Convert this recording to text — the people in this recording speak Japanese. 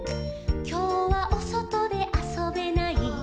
「きょうはおそとであそべない」「」